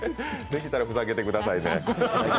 できたらふざけてくださいね。